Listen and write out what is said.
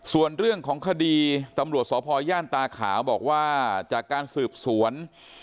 ส่วนเรื่องของคดีตำรวจสพย่านตาขาวบอกว่าจากการสืบสวน